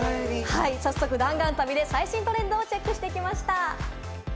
早速、弾丸旅で最新トレンドをチェックしてきました。